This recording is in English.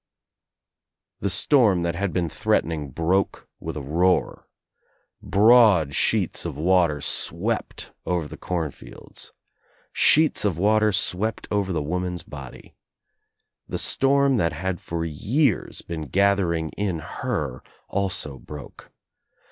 The storm that had been threatening broke with ii roar. Broad sheets of water swept over the corn fields. Sheets of water swept over the woman's body. The storm that had for years been gathering in her also broke.